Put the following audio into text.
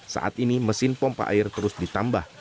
saat ini mesin pompa air terus ditambah